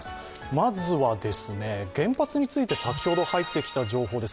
まずは、原発について先ほど入ってきた情報です。